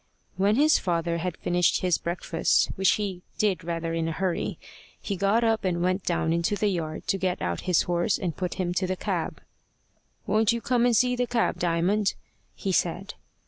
When his father had finished his breakfast, which he did rather in a hurry, he got up and went down into the yard to get out his horse and put him to the cab. "Won't you come and see the cab, Diamond?" he said.